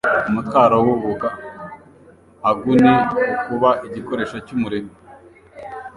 Umutwaro w'ubuga.-agu ni ukuba igikoresho cy'umurimo.